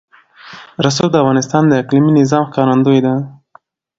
رسوب د افغانستان د اقلیمي نظام ښکارندوی ده.